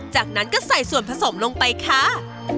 จากนั้นก็ใส่ส่วนผสมลงไปค่ะ